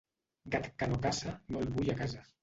Gat que no caça no el vull a casa.